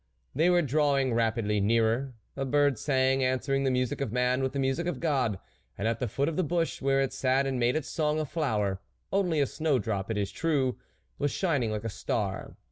They were drawing rapidly nearer ; a bird sang, answering the music of man with the music of God ; and at the foot of the bush where it sat and made its song, a flower, only a snowdrop it is true was shining like a star.